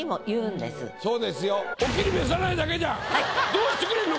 どうしてくれんの！